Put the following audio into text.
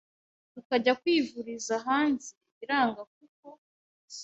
tukajya kwivuriza hanze biranga kuko